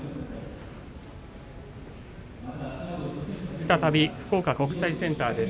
再び福岡国際センターです。